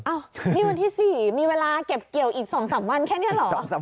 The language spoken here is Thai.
อ้าวนี่วันที่๔มีเวลาเก็บเกี่ยวอีก๒๓วันแค่นี้เหรอ